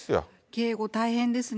警護大変ですね。